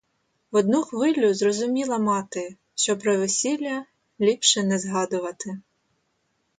В одну хвилю зрозуміла мати, що про весілля ліпше не згадувати.